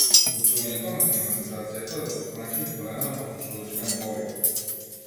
Вклучувањето на климатизацијата значи зголемена потрошувачка на гориво.